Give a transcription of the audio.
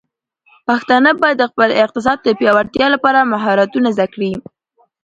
پښتانه بايد د خپل اقتصاد د پیاوړتیا لپاره مهارتونه زده کړي.